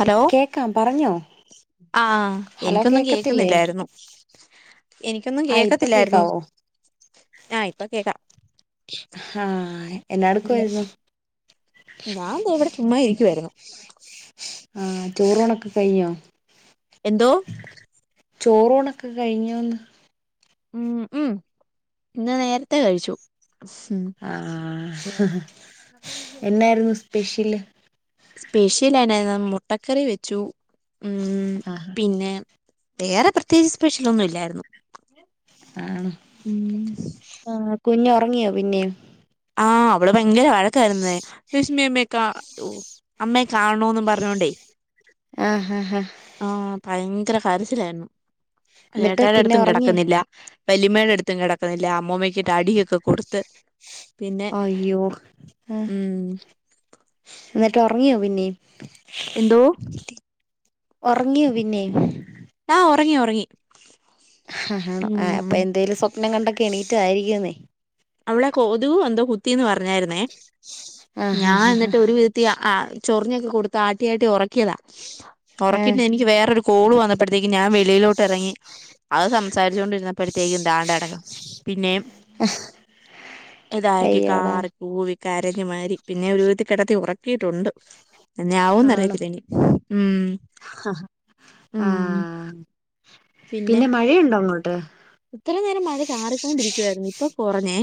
Hello കേക്കാം പറഞ്ഞോ ആഹ് ഹലോ എനിക്കൊന്നും കേക്കത്തില്ലേ കേക്കുന്നില്ലായിരുന്നു എനിക്കൊന്നും ആ ഇപ്പൊ കേക്കത്തില്ലായിരുന്നു, കേക്കാവോ ആ ഇപ്പ കേക്കാം ആഹ് എന്നാ ഉം എടുക്കുവായിരുന്നു ഞാൻ ദേ എവിടെ ചുമ്മ ഇരിക്കുവായിരുന്നു ആഹ് ചോറ് ഊണേക്കെ കഴിഞ്ഞോ എന്തോ ചോറോണൊക്കെ കഴിഞ്ഞോന്ന് ഉം ഉം ഇന്ന് നേരത്തെ കഴിച്ചു ഉം ആ എന്നായിരുന്നു സ്പെഷ്യല് സ്പെഷ്യൽ എന്നാ ഇന്ന് മുട്ടക്കറി വെച്ചു ഉം പിന്നെ വേറെ പ്രത്യേകിച്ച് സ്പെഷ്യൽ ഒന്നും ഇല്ലായിരുന്നു ആണോ ഉം ആ കുഞ്ഞ് ഉറങ്ങിയോ പിന്നെയും ആഹ് അവള് ഭയങ്കര വഴക്കായിരുന്നേ രശ്മിയമ്മയെ ക്കാ അമ്മയെ കാണണോന്ന് പറഞ്ഞോണ്ടേ ആഹ് ഹഹ് ഹഹ ആഹ് ഭയങ്കര കര്ച്ചിലായിര്ന്നു എന്നിട്ട് ഏട്ടേടെ പിന്നെ ട്ത്തും ഉറങ്ങിയോ കെടക്കുന്നില്ല. വല്ലിമ്മേടട്ത്തും കെടക്കുന്നില്ല അമ്മൂമ്മക്ക് അടിയൊക്കെ കൊടുത്ത് പിന്നെ അയ്യോ ആഹ് ഉം എന്നിട്ട് ഒർങ്ങിയോ പിന്നേം. എന്തോ? ഒർങ്ങ്യോ പിന്നെം ആഹ് ഒറങ്ങി ഒറങ്ങി. ആഹ് അപ്പൊന്തേലും സ്വപ്നം കണ്ടൊക്കെ എണീട്ടതായിരിക്കുംന്നേ. അവളെ കൊതുകെന്തോ കുത്തീന്ന് പറഞ്ഞായ്ര്ന്നേ, ആഹാ ഞാനെന്നിട്ട് ഒരുവിധ ചൊർഞ്ഞൊക്കെ കൊടുത്ത് ആട്ടിയാട്ടി ഒർക്കീതാ ആ ഉറക്കിട്ടെനിക്ക് വേറൊരു കോള് വന്നപ്പഴ്ത്തേക്ക് ഞാന് വെളിയിലോട്ടിറങ്ങി, അത് സംസാരിച്ചുകൊണ്ടിരുന്നപ്പഴേ ത്തേയും താണ്ടകെട്ക്ക്ണ് പിന്നെയും. [inaudible] ഇതാക്കി അയ്യോടാ കാറി കൂവി കരഞ്ഞ് മാരി പിന്നെ ഒരു വിതത്തിൽ കെടത്തി ഓറക്കിയിട്ടുണ്ട്. എന്നാവുംന്ന് ആണോ അറിയത്തില്ലനി ഉം ആ ഉം. പിന്നെ മഴയുണ്ടൊങ്ങോട്ട്? ഇത്രിം നേരം മഴ ചാറിക്കൊണ്ടിരിക്കുവായാര്ന്ന്, ഇപ്പൊ കൊറഞ്ഞേ.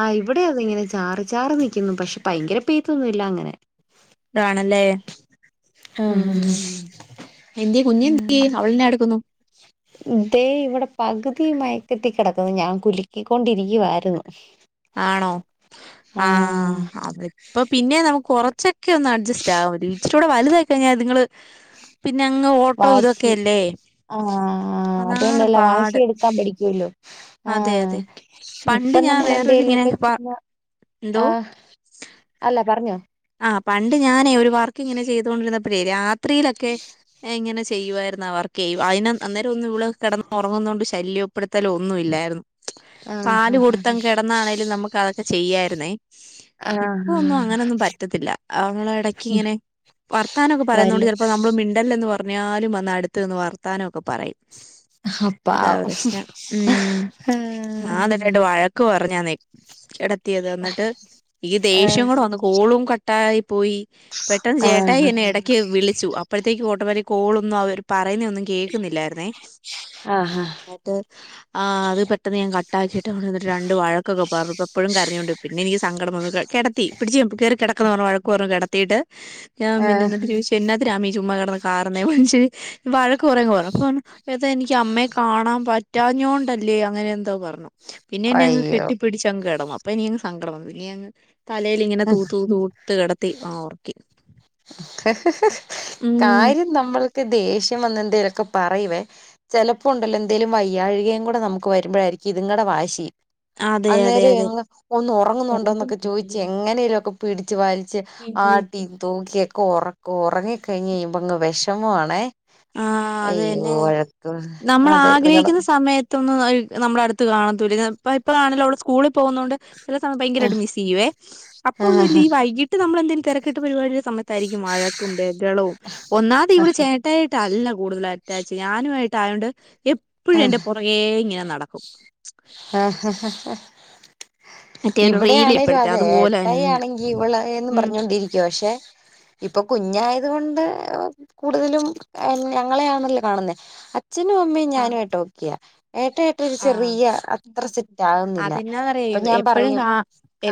ആഹ് ഇവിടിം അതെ ഇങ്ങനെ ചാറി ചാറ് നിക്കുന്നു പക്ഷെ ഭയങ്കര പെയ്തൊന്നുംല്ല്യ അങ്ങനെ. അതാണല്ലേ. ഉം ആഹ് എന്തെ കുഞ്ഞെന്തെ ആഹ് ആഹ് അവളെന്നാ എട്ക്കുന്നു. ദേ ഇവിടെ പകുതി മയക്കത്തി കെടക്കുന്നു, ഞാൻ കുലിക്കിക്കൊണ്ടിരിക്കുവായ്രുന്നു. ആണോ ആഹ് അവ് അപ്പൊ പിന്നെ നമുക്ക് കൊറച്ചൊക്കെ ഒന്ന് അഡ്ജസ്റ്റ് ആവാൻ ഇച്ചിരൂടെ വലുതായി കഴിഞ്ഞാ തിങ്ങള്. പിന്നെ അങ്ങ് ഓട്ടോ വാശി ഇതൊക്കെയല്ലേ അതാണ് പാട്. കാൻ പഠിക്കുവല്ലോ അതെ ആഹ് അതെ പണ്ട് ഞാൻ ഇപ്പംനമ്മൾ വേറൊരു എന്തേലും ഇങ്ങനെ ഒക്കെ പ ചെ എന്തോ ആഹ് അല്ല പറഞ്ഞോ. ആഹ് പണ്ട് ഞാനേ ഒരു വർക്ക്ങ്ങനെ ചെയ്തോണ്ടിരിന്നപ്പഴേ രാത് ത്രീലൊക്കെ ഞാൻ ഇങ്ങനെ ചെയ്യുവായിരുന്നു ആവർക്ക്. അതിന് അന്നേരം ഒന്ന് വള് കെടന്നു ഒറങ്ങുന്നത് കൊണ്ട് ശല്യപ്പെടുത്തലോ ഒന്നും ഇല്ലായിര്ന്നു. ആഹ് പാല് കൊടുത്തങ് കിടന്നാണെലും നമുക്ക് അതൊക്കെ ചെയ്യായിര്ന്നേ. ഇപ്പൊന്നും ആഹ് അങ്ങനെൊന്നും പ ഇടക്കിങ്ങനെ വർത്താനൊക്കെ വല്ല പറയുന്നോണ്ട് ചെൽപ്പോ നമ്മള്. മിണ്ടല്ലെന്ന് പർഞ്ഞാലും വന്ന് അടുത്ത് നിന്ന് വർത്താനൊക്കെ പറയും. അതാ പാവം പ്രശ്നംഉം ഞാന്ന്നട്ട് രണ്ട് വഴ ക്ക് പർഞ്ഞാനെ കെടത്തിയത് എന്നിട്ട് ഈ ദേഷ്യം ആഹ് കൂടെ വന്ന് കോളും കട്ട്‌. ട്ടായ് പോയി പെട്ടെന്ന് ആഹ് ചേട്ടായെന്നെ എട ക്ക് വിളിച്ചു അപ്പോഴാത്തേക്ക് ഓട്ടോമാറ്റ് കോളൊന്നും അവര് പറയുന്നെഒന്നുംകേ കേക്കുന്നില്ലായിര്ന്നേ. ആഹ് ട്ട് അത് പെട്ടെന്ന് ഞാൻ കട്ടാക്കിട്ട് എന്ന്ട്ട് രണ്ട് വഴ ക്കൊക്കെ പർഞ്ഞ് പ്പ ഇപ്പഴും കരഞ്ഞോണ്ട് പിന്നെ എനിക്ക് സങ്കടംവന്നു കിടത്തി പിടിച്ച് ഞാൻ കേറി കെട വഴക്ക് പറഞ്ഞു കെടത്തീട്ട് ഞാൻ പിന്നെ ആഹ് എന്നിട്ട് ചോദിച്ചു എന്നാത്തിനാ നീ ചുമ്മാ കിടന്ന് കാറുന്നേ മൻഷ്വര് വഴക്ക് കുറെ അങ്ങ് പറഞ്ഞു അപ്പം ഏതാ എനിക്ക് അമ്മയെ കാണാൻ പറ്റാഞ്ഞോണ്ടല്ലേ അങ്ങനെ എന്തോ പർഞ്ഞു. പിന്നെ എന്നെ അങ് അയ്യോ കെട്ടിപ്പിടിച്ച് അങ് കെടന്നു, അപ്പൊ ഇനി അങ് സങ്കടം വന്നു ഇനിഅങ്ങ് തലയിൽ ഇങ്ങനെ തൂ തൂ തൂ ത്ത് കെടത്തി ഒറങ്ങി ഉം കാര്യം നമ്മൾക്ക് ദേഷ്യം വന്നാ എന്തേലൊക്കെ പറയുവേ. ചിലപ്പോ ഉണ്ടല്ലോ എന്തേലും വയ്യാഴ്കയും കൂടി നമുക്ക് വരുമ്പോഴായിരിക്കും ഇതിങടെ വാശി. അതെ അതെ അന്നേരം അതെ എങ് ഒന്ന് ഒറങ്ങുന്നുണ്ടോ ന്നൊക്കെ ചോദിച്ച് എങ്ങനേലൊക്കെ പിടിച്ച് ടിച്ച് വലിച്ച് ആട്ടീം തൂക്കിയൊക്കെ ഒറക്കും ഒറങ്ങി കഴിഞ്ഞഴിയുമ്പോ അങ്ങ് വിഷമാ ആണേ. ആ അത് അയ്യോ തന്നെ വഴക്കും അതെ ഇതിങ്ങടേ? ത്തെന്നും ആയി നമ്മടെ അടുത്ത് കാണത്തൂല്ല ഇപ്പ ഇപ്പളാണല്ലോ അവൾ സ്കൂള പോകുന്നോണ്ട് ചില സമയം ഭയങ്കരായിട്ട് മിസ് ചെയ്യുവേ അപ്പൊന്ന് ലീവ് ആയി വൈകീട്ട് നമ്മളെന്തെങ്കിലും തെരെക്കിട്ട് പരിപാടിയുടെ സമയത്തായിരിക്കും വഴക്കും ബഹളവും ഒന്നാമതെ ഇവളെ ചേട്ട ട്ടായിട്ട് അല്ല കൂടുതൽ അറ്റാച്ചിങ്ങ് ഞാനു ആയിട്ടായോണ്ട് എ എപ്പഴും എന്റെ പുറകേ ഇങ്ങനെ നടക്കും. ആഹ് ഹ ഹാ മറ്റേ ഒരു റീൽ ഇവിടെയാണേലും ഇപ്പോഴത്തെ അതെ അതുപോലെ ഏട്ടായി തന്നെ. ആണെങ്കി ഇവളെന്ന് ഉം പറഞ്ഞോണ്ടിരിക്ക പക്ഷെ- ഇപ്പൊ കുഞ്ഞായത് കൊണ്ട് കൂടുതലും ഞങ്ങളെ ആണല്ലോ കാണുന്നേ. അച്ഛനും അമ്മയും ആഹ് ഞാനും ആയിട്ട് ഓക്കെയാ ഏട്ടെ റ്റൊ ഒരു ചെറിയ അത്ര സെറ്റ് ആകുന്നില്ല അതെന്നാന്നറിയോ അപ്പൊ ഞാൻ- എപ്പഴും പറയും കാ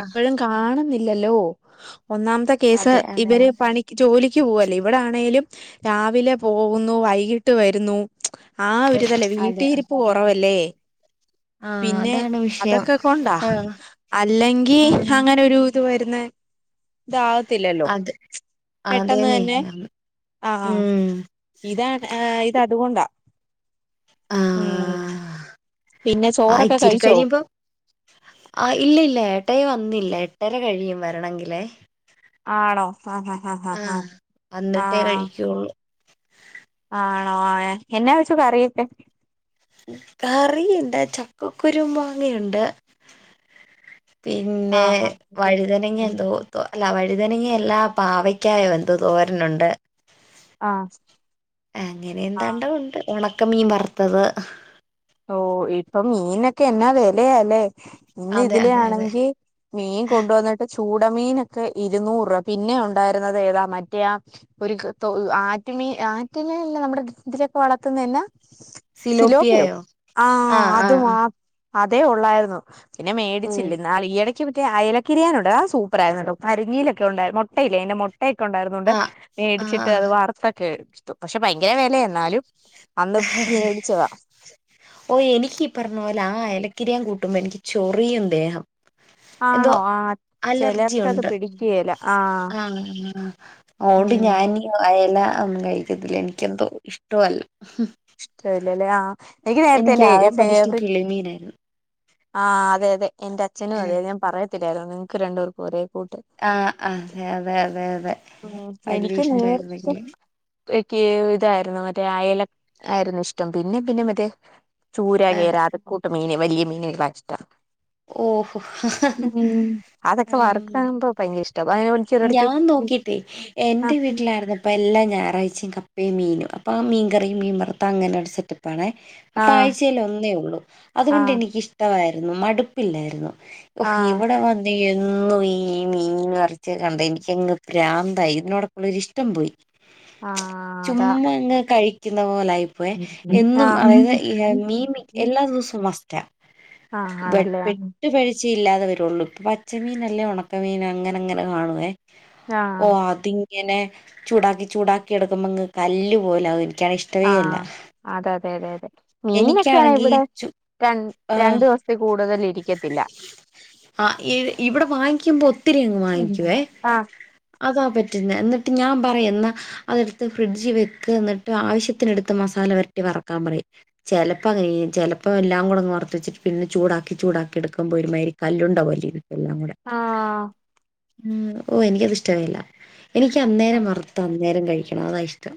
ആ കാണുന്നില്ലല്ലോ ഒന്നാമത്തെ കേസ് അതെ അതെ ഇവര് പണി ജോലിക്ക് പോവല്ലേ ഇവിടെ ആണെലും രാവിലെ പോകുന്നു വൈകിട്ട് വരുന്നു. ആഹ് ഒരു ഇതല്ലേ അതെ വീട്ടീരിപ്പ് കുറവല്ലേ? ആ പിന്നെ അതാണ് വിഷയം അതൊക്കെ കൊണ്ടാ ആ അല്ലെങ്കി അങ്ങനെ ഒരു ഇത് വരുന്നേ ഇതാവത്തില്ലല്ലോ അത് പെട്ടെന്ന് അതേന്നെ തന്നെ ആഹ് ഉം ഇതാണ് ഇത് അതുകൊണ്ടാ ഉം പിന്നെ ആഹ് ചോറൊക്കെ ഇച്ചിരി കഴിച്ചോ കഴിഞ്ഞിപ്പം ആഹ് ഇല്ല ഇല്ല ഏട്ടായി വന്നില്ല എട്ടര കഴിയും വരണെങ്കിൽ. ആണോ ആഹ് ഹാ ഹ ഹാ ആ ഹ വന്നിട്ടേ ആഹ് കഴിക്കുള്ളൂ ആണോ ഏ എന്നാ വെച്ചു കറിയൊക്കെ? കറി എന്താന്നെച്ചാ ചക്കക്കുരു മാങ്ങയുണ്ട്. ആ പിന്നെ വഴുതനങ്ങ എന്തോ തോ അല്ല വഴുതനങ്ങയല്ല പാവയ്ക്കായും എന്തോ തോരനുണ്ട്. ആഹ് അങ്ങനെ എന്താണ്ടോ ഉണ്ട് ഉണക്ക മീൻ വറുത്തത്. ഓഹ് ഇപ്പം മീനൊക്കെ എന്നാ വെലയാല്ലേ. ഇന്ന് അതെ അതെ അതെ ഇതിലാണെങ്കി മീൻ കൊണ്ടുവന്നിട്ട് ചൂടമീനൊക്കെ ഇരുന്നൂറ് രൂപ പിന്നെ ഉണ്ടായിരുന്നത് ഏതാ മറ്റേ ആ ഒരു ക്ക് ആറ്റമീ ആറ്റമീൻ നമ്മുടെ ഇതിലൊക്കെ വളർത്തുന്ന എന്നാ? സിലോപിയായോ? ആഹ് അത് മാ അതേ ഉള്ളായിരുന്നു പിന്നെ ഓ മേടിച്ചില്ല ന്നാൽ ഈയിട റ്റേ അയലക്കിരിനൻണ്ട് അത് സൂപ്പർ ആയിരുന്നു അരിങ്ങിയിലൊക്കെണ്ടായി മൊട്ടയില്ലേ അയിന്റെ മു ട്ടൊക്കെ ഉണ്ടായിരുന്നൂണ്ട് ആഹ് മേടിച്ചിട്ട് ആഹ് അത് വാർത്തൊക്കെ എത്തു പക്ഷെ ഭയങ്കര വെലയാ എന്നാലും- അന്ന് മേടിച്ചതാ. ഓ എനിക്കീ പറഞ്ഞപോലെ ആ അയലക്കിരിയാൻ കൂട്ടുമ്പോ എനിക്ക് ചൊറിയും ദേഹം. എന്തോ ആണോ ആ അലർജി ചെലർക്കത് ഉണ്ട് പിടിക്കേല ആ ആഹ് അതുകൊണ്ട് ഉം ഞാൻ അയലഒന്നും കഴിക്കത്തില്ല എനിക്ക് എന്തോ ഇഷ്ടൊല്ല ഇഷ്ടൊല്ലല്ലേയാ ആഹ് എനിക്ക് നേരത്തെ എന്റെ ആകപ്പാടെ ഇഷ്ടം ഫേവറൈറ്റ് കിളിമീനായിരുന്നു ആഹ് അതെ അതെ എന്റെ അച്ഛനും അതെ ഞാൻ പറയത്തില്ലായിരുന്നു നിനക്ക് രണ്ട്പേർക്കും ഒരേ കൂട്ട്. ആഹ് ആഹ് അതെ അതെ അതെ അതെ വല്യ ഇഷ്ടായിരുന്നില്യ പ്പക്ക് ഇതായിരുന്നു മറ്റേ അയല ആയിരുന്നു ഇഷ്ടം പിന്നെ പിന്നെ മറ്റേ ചൂര, ആഹ് കേര, അതകൂട്ട മീന്, വല്യ മീന് കളാ ഇഷ്ട്ടം. ഓഹോ ഉം, അതൊക്കെ ഉം വറക്കമ്പ ഭയങ്കര ഇഷ്ട [unintelligible] ചടക്ക് ട്ടി, എന്റെ വീട്ടിലായിരുന്ന പ്പ എല്ലാ, ഞായറാഴ്ചയും കപ്പയും, മീനും. അപ്പൊ, മീൻ കറിയും മീൻ വറുത്തതും അങ്ങനെ ഒരു സെറ്റപ്പ ണ. അപ്പൊ, ആ ആഴ്ചയിൽ ഒന്നേ ഉള്ളു. അതു ആ കൊണ്ട് എനിക്ക് ഇഷ്ടമായിരുന്നു. മടുപ്പില്ലായിരുന്നു. ഹോ, ആ ഇവട വ എന്നും ഈ മീൻ, ഇറച്ചി കണ്ട എനിക്കങ്ങ് പ്രാന്തായി. ഇതിനോടൊക്കു ള്ളൊരിഷ്ടം പോയി. ആ അതാ ചുമ്മാങ്ങ് കഴിക്കുന്ന പോലയി പ്പൊ, ആ എന്നും അതായത് ഈ, മീൻ എല്ലാ ദിവസവും മസ്റ്റ. ആഹ്, ആണല്ലേ. ഉം [unintelligible] ഇല്ലാതെ വരുള്ളൂ. പച്ചമീനല്ലേ, ഒണക്കമീൻ, അങ്ങനെ അങ്ങനെ കാണുവേ. ഓ, ആഹ് അതിൻ. ഇങ്ങനെ ചൂടാക്കി, ചൂടാക്കി എടുക്കുമ്പ ങ്ങ് കല്ല് പോലാകും. എനിക്കാണെ ഇഷ്ടം. ആഹ്, അതെ, അതെ, അതെ, അതെ മീനൊക്കെ യാണ, എനിക്കാണെങ്കി ഇവിടെ ചു രൺ രണ്ട് ആഹ് ദിവസം. ത്തിൽ കൂടുതൽ ഇരിക്കത്തില്ല. ആഹ്, ഇവി, ഇവിടെ വാങ്ങിക്കുമ്പോ, ഒത്തിരി അങ്ങ് വാങ്ങിക്കുവേ? ആഹ് അതാ പറ്റുന്നെ, എന്നിട്ട് ഞാൻ പറയു എന്നാ. അതെടുത്ത് ഫ്രിഡ്ജി വെക്ക്. എന്നിട്ട് ആവശ്യത്തിനെടുത്ത്, മസാല പെരട്ടി വറക്കാൻ പറയും. ചെലപ്പ അങ്ങനെ ചെയ്യും. ചെലപ്പോ എല്ലാം കൂടങ് വറുത്തു വെച്ചിട്ട് പിന്നെ ചൂടാക്ക. ടാക്കി ചൂടാക്കി എടുക്കുമ്പോ, ഒരു മാതിരി കല്ലുണ്ട പോലെ ഇരിക്കും എല്ലാം കൂടെ. ആഹ് ഉം, ഓ എനിക്കത് ഇഷ്ടമില്ല. എനിക്ക് അന്നേരം വറ് ത ന്നേരം കഴിക്കണം. അതാ ഇഷ്ടം.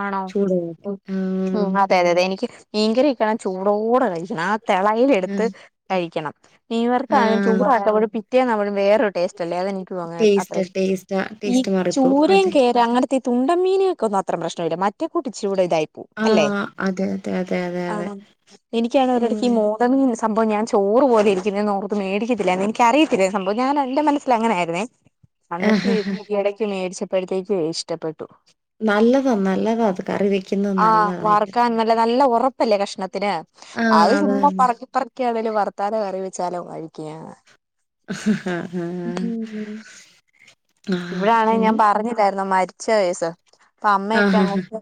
ആണോ? ചൂടോടെ. ആ, ഉം, അതെ, അതെ, അതെ എനിക്ക്. മീങ്കറിയൊക്കെ ആണേൽ ചൂടോടെ കഴിക്കണം. ആഹ്, ആ, തെളയിലെടുത്ത് കഴിക്കണം. മീൻ വറുത്തത് ആ, ആണെങ്കി ചൂട് ആക്കുബോൾ പിറ്റേന്ന് ആവുമ്പോൾ വേറൊര്. ടേസ്റ്റ് ല്ലെ, അതെനിക്കും അങ്ങ അത്ര, ടേസ്റ്റ് ടേസ്റ്റ് ഈ ടേസ്റ്റ് മാറിപ്പോവും. ചൂരം അതെ. കേര അങ്ങനെത്തെ. ഈ, തുണ്ടം മീന്കൾ കൊന്നും അത്ര പ്രശ്നമില്ല. മറ്റേ കൂട്ട് ഇച്ചിരി കൂടെ ഇതായി. ആ, അല്ലെ, അതെ, അതെ, അതെ, അതെ, അതെ. ആഹ്, എനിക്കാണെ ഒരിടെക്കി. മ്മ്. മോ അത് സംഭവം ഞാൻ ചോറ് പോലെ ഇരിക്കുന്നെ എന്നോർത്ത് മേടിക്കത്തില്ലായിരുന്നു. എനിക്കറിയത്തില്ലായിരുന്നു സംഭവം. ഞാൻ, എന്റെ മനസ്. ൽ അങ്ങനെ യായിരുന്നേ? അന്നിട്ട് എടക്ക് മേടിച്ച പ്പഴത്തേക്കു ഇഷ്ടപ്പെട്ടു. നല്ലതാ, നല്ലതാ, അത്. കറി വെക്കുന്നു. ആഹ്, വറ്ക്കാൻ നല്ല, നല്ല ഒറപ്. ല്ലേ കഷ്ണത്തിന്. ആ, അത് ചുമ്മ തന്നെ. പറക്കി, പ്പറക്കി, ആണെങ്കിലും വർത്താലു കറി വെച്ചാലോ? കഴിക്ക. [inaudible] ആ. ആ, ഇവിടാണെ ഞാൻ പറഞ്ഞില്ലായിരു ന്നൊ? മരിച്ച കേസ്സ്. അപ്പൊ, അമ്മയൊക്കെ ആഹാ. അങ്ങോട്ട്.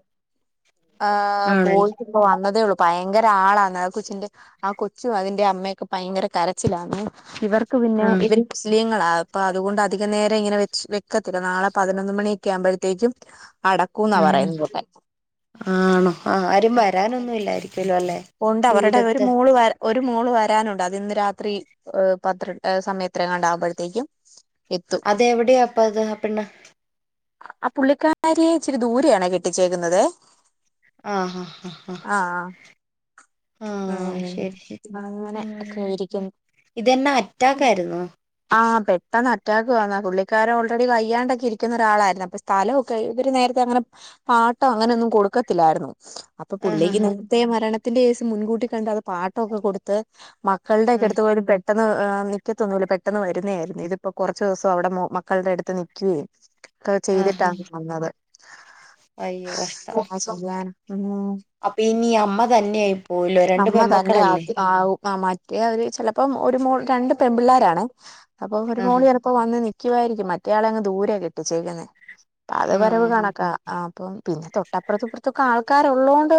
ആഹ്, ആണല്ലേ. പോയിട്ട് ഇപ്പ വന്നതേ ഒള്ളു. ഭയങ്കര ആളാന്ന് ആഹ്, കൊച്ചിന്റെ. ആഹ്, കൊച്ചു അതിന്റെ അമ്മയൊക്കെ ഭയങ്കര കരച്ചിലാന്ന്. ഇവർ. പിന്നെ, ആ, ഇവര് മുസ്ലീങ്ങളാ, അപ്പൊ അതുകൊണ്ട് അധിക നേരം ഇങ്ങനെ വെച് വെക്കത്തില്ല. നാളെ പതിനൊന്ന് മണി. ഒക്കെ ആകുംപഴത്തേക്കും അടക്കൂന്ന ആ. പറയുന്നത് വിടെ. ആണോ? ആ, ആരും വരാനൊന്നും ഇല്ലായിരിക്കുവല്ലോ അല്ലേ? ഉണ്ട്, അവരുടെ ഒരു ദൂരത്ത്. മോള് വരാ ഒരു മോള് വരാനുണ്ട്. അത് ഇന്ന് രാത്രി പത്ര സമയത്രങ്ങാണ്ട് ആകുമ്പഴത്തേക്കും. അതെ എവിടെയാ അപ്പ അത്, ആഹ് പെണ്ണ്? ആഹ്, പുള്ളിക്കാരിയെ ഇച്ചിരി ദൂരയാണോ, കെട്ടിച്ചേക്കുന്നത്. ആഹ് ആഹ് ആഹ് ആഹ് ശരി, ശരി. ഉം അങ്ങനെ ഒക്കെ ആ. ഇരിക്കുന്നു. ഇതെന്നാ അറ്റാക്കായിരുന്നോ ആഹ് പെട്ടെന്ന് അറ്റാക്കു വന്നാ പുള്ളി ക്കാരർ ഓൾറെഡി വയ്യാണ്ടൊക്കെ ഇരിക്കുന്ന ഒരാളായിരുന്നു അപ്പൊ സ്ഥലൊക്കെ ഇവര് നേര്ത്തെ അങ്ങനെ. പാട്ടം അങ്ങനെയൊന്നും കൊടുക്കത്തില്ലായിര്ന്നു. അപ്പൊ ആഹ് പുള്ളിക്ക് ആഹ് നിത്തെ മരണത്തിന്റെ കേസ് മുൻകൂട്ടി കണ്ട് അത് പാട്ടൊക്കെ കൊടുത്ത് മക്കൾടെ ആഹ് ഒക്കെടുത്ത് പോയി പെ ട്ടെന്ന് നിക്കത്തൊന്നൂല്ല പെട്ടെന്ന് വരുന്നേ ആയിരുന്നു ഇത്പ്പൊ കൊർച്ചു ദിവസം അവിടെ മോ മ ക്കള്ടെ അടുത്ത് നിക്കിം ഒക്കെ ആഹ് ആഹ് ചെയ്തിട്ടാണ് വന്നത്. അയ്യോ കഷ്ടം. ഉം അപ്പൊ ഇനി അമ്മ തന്നെയായി പോവല്ലോ രണ്ട് അമ്മ തന്നെ പെമ്മക്കളല്ലേ? അത് ആവും ആ മറ്റേ അവര് ചെലപ്പം ഒരു മോൾ രണ്ട് പെമ്പിള്ളേരാണെ അപ്പൊ ഒരു മോള് ആഹ് ചെലപ്പോ വന്ന് നിക്കും. വായിരിക്കും മറ്റേയാളങ്ങ് ദൂരെ കെട്ടിച്ചേക്കുന്ന അത് വരവ് ആഹ് കണക്കാ. ആഹ് അപ്പം പിന്നെ തൊട്ടപ്പർത്തുപ്പർത്തൊക്കെ ആൾക്കാര് ഒള്ളോണ്ട്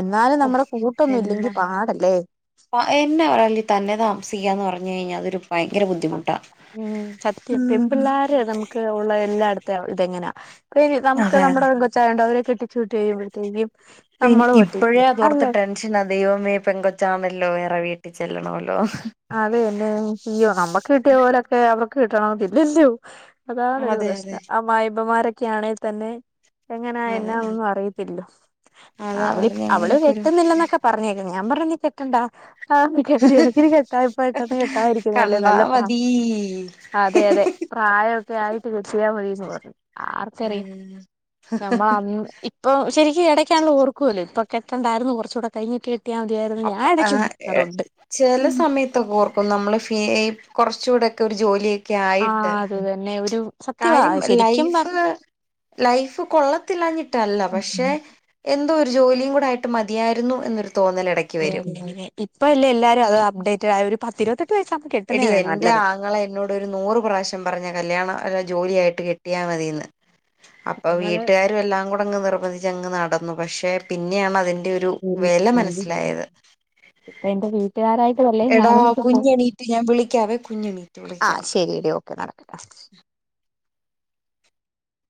എന്നാലും ഓഹ് നമ്മടെ കൂട്ടൊന്നും ഇല്ലെങ്കി പാടല്ലേ എന്ന ആണേലും തന്നെ താമസിക്കാന്ന് പറഞ്ഞ് കഴിഞ്ഞാ അതൊരു ഭയങ്കര ബു ഉം സത്യം പെമ്പിള്ളാര് നമ്ക്ക് ഒള്ള എല്ലാട്ത്തെ ഇതെങ്ങനാ [unintelligible] നമ്ക്ക് അതെ അതെ നമ്മടെ പെങ്കൊച്ചായോണ്ട് അവരെ കെട്ടിച്ച് വിട്ട് കഴിയുമ്പഴ്ത്തേക്കും പിൻ ഇപ്പഴേ അതോർത്ത് ടെൻ ഷനാ ദൈവമേ പെങ്കൊച്ചാന്നല്ലോ വേറെ വീട്ടി ചെല്ലണമല്ലോ അതേല്ലേ ഇയ്യോ നമ്മക്ക് കിട്ടിയ പോലൊക്കെ അവർക്ക് കിട്ടണോന്നില്ലല്ലോ അതാണൊര് അതെ അതെ പ്രശ്നം അമ്മായപ്പമ്മാരൊക്കെയാണെ തന്നെ എങ്ങനാ അതെ എന്നാ അതെ ഒന്നും അറിയത്തില്ലോ അതാ അവളി പറഞ്ഞ അവള് അങ്ങനൊക്കെ ഒരു കെട്ട്ന്നില്ലന്നൊക്കെ പർഞ്ഞേക്കുന്നെ ഞാൻ പർഞ്ഞു നീ കെട്ടണ്ടാ ആഹ് ഇടയ്ക്ക് ഇടയ്ക്ക് [unintelligible] കെട്ടാതിരിക്ക്ന്നല്ലേ കണ്ടാ നല്ല പ്പാ മതി അതെ അതെ പ്രായൊക്കെ ആയിട്ട് കെട്ടിയ മതീന്ന് പറയും ആർക്കറിയാം ആഹ് നമ്മളന്ന് ഇപ്പൊ ശരിക്കും എടയ്ക്കാണേലും ഓർക്കൂലേ ഇപ്പൊ കെട്ടണ്ടാര്ന്നു കൊറച്ചൂടെ കഴിഞ്ഞ് കെ ട്ടിയാ മതിയാര്ന്നു അപ്പ ഞാൻ എടയ്ക്ക് ഓർക്കാറുണ്ട് ഉം ത്ത് ഓർക്കും നമ്മള് ഫീ ഈ കൊറച്ചൂടെക്കെ ഒരു ജോലി ആഹ് അത് തന്നെ ഒരു സത്യവാ കാര്യം ശരിക്കും ലൈഫ് പറഞ്ഞ ലൈഫ് കൊള്ളത്തില്ലാഞ്ഞിട്ടല്ല ഉം പക്ഷെ ഉം എന്തോരു ജോലീം കൂടെ ആയിട്ട് മതിയായിരുന്നു എന്നൊരു തോന്നൽ എടയ് ഇപ്പല്ലേ എല്ലാരും അത് അപ്ഡേറ്റഡ് ആയെ ഒരു പത്തിരുവത്തെട്ട് വയസ്സാവുമ്പോ കെ എടീ എന്റെ ആങ്ങള എന്നോട് ഒരു നൂറ് പ്രാവശ്യം പറഞ്ഞ കല്യാണം അല്ല ജോലിയായിട്ട് കെട്ടിയാ മതീന്ന് അപ്പൊ നമ്മള് വീട്ട്കാരും എല്ലാം കൂടങ്ങ് നിർബന്ധിച്ചങ്ങ് നടന്നു പക്ഷെ പിന്നെയാണ് അതി ന്റെയൊരു വെല മനസ്സിലായത് അപ്പൊ എന്റെ വീട്ടുകാരായിട്ട് വല്ലേ എടാ ഞാനും വീട്ട് പോവു കുഞ്ഞെണീറ്റ് ഞാൻ വിളിക്കാവേ കുഞ്ഞെണീറ്റ് വിളിക്കാം ആഹ് ശരിയെടി ഓക്കേ കാണാം [inaudible]